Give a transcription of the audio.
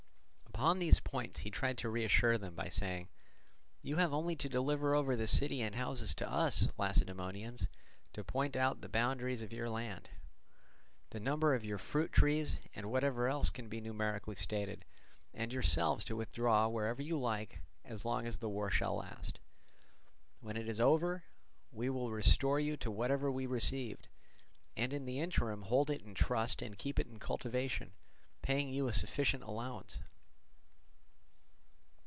Upon these points he tried to reassure them by saying: "You have only to deliver over the city and houses to us Lacedaemonians, to point out the boundaries of your land, the number of your fruit trees, and whatever else can be numerically stated, and yourselves to withdraw wherever you like as long as the war shall last. When it is over we will restore to you whatever we received, and in the interim hold it in trust and keep it in cultivation, paying you a sufficient allowance."